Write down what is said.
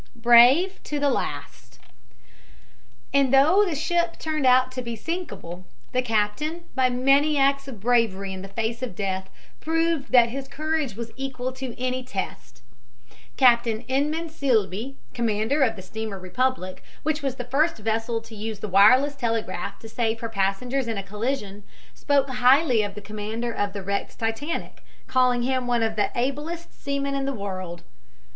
BRAVE TO THE LAST And though the ship turned out to be sinkable, the captain, by many acts of bravery in the face of death, proved that his courage was equal to any test. Captain Inman Sealby, commander of the steamer Republic, which was the first vessel to use the wireless telegraph to save her passengers in a collision, spoke highly of the commander of the wrecked Titanic, calling him one of the ablest seamen in the world.